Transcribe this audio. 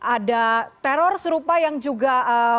ada teror serupa yang juga